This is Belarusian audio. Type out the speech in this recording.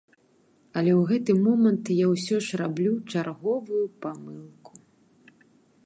Але ў гэты момант я ўсё ж раблю чарговую памылку.